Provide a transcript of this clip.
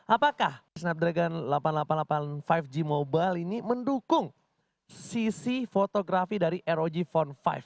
apakah snat dragon delapan ratus delapan puluh delapan lima g mobile ini mendukung sisi fotografi dari rog phone lima